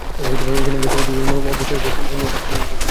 ইদানীং বেছে বেছে বিভিন্ন অফিসে বিশেষ করে ভূমি অফিসে হামলার ঘটনা ঘটছে।